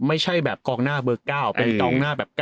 ไม่ใช่แบบกองหน้าเบอร์๙เป็นกองหน้าแบบ๙